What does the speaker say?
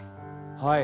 はい。